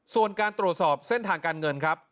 ส่วนการตรวจสอบเส้นทางการเงินครับ